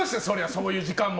そういう時間も。